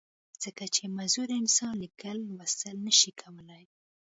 ځکه چې معذوره انسان ليکل، لوستل نۀ شي کولی